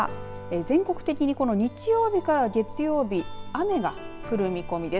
ただ、全国的に日曜日から月曜日雨が降る見込みです。